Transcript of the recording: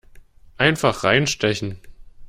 Einfach reinstechen!